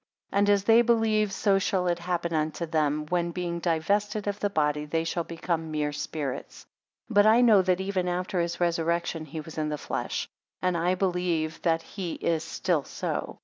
8 And as they believe so shall it happen unto them, when being divested of the body they shall become mere spirits. 9 But I know that even after his resurrection he was in the flesh; and I believe that he is still so.